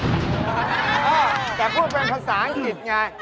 แต่พูดเป็นภาษาอีกไง